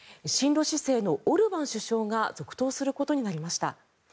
親ロ姿勢のオルバン首相が続投することになりました。